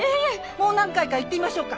もう何回か行ってみましょうか！